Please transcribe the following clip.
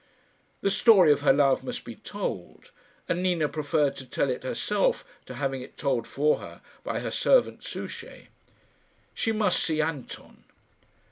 The story of her love must be told, and Nina preferred to tell it herself to having it told for her by her servant Souchey. She must see Anton.